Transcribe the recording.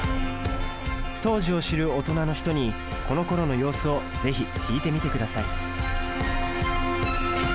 当時を知る大人の人にこのころの様子を是非聞いてみてください。